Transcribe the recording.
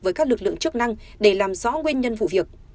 với các lực lượng chức năng để làm rõ nguyên nhân vụ việc